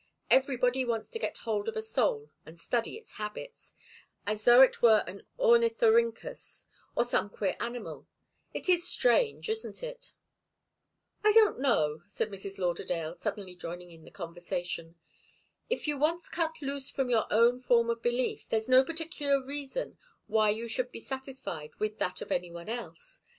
Everybody wants to get hold of a soul and study its habits, as though it were an ornithorynchus or some queer animal it is strange, isn't it?" "I don't know," said Mrs. Lauderdale, suddenly joining in the conversation. "If you once cut loose from your own form of belief there's no particular reason why you should be satisfied with that of any one else.